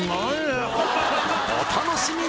お楽しみに！